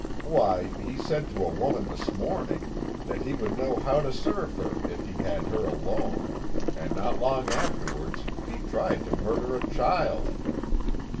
Why, he said to a woman this morning that he would know how to serve her if he had her alone, and not long afterwards he tried to murder a child!